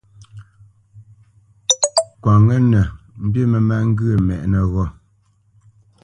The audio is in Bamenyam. Kwǎnŋə́nə mbî mə má ŋgyə̂ mɛ́ʼnə́ ghô.